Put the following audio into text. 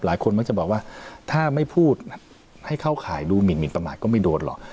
หลายคนมักจะบอกว่าถ้าไม่พูดให้เข้าข่ายดูหมินประมาทก็ไม่โดนหรอก